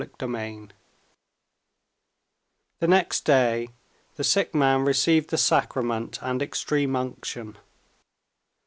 Chapter 20 The next day the sick man received the sacrament and extreme unction.